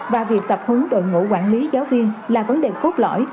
và việc tập hướng đội ngũ quản lý giáo viên là vấn đề cốt lõi